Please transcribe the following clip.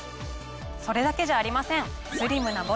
それだけじゃありません！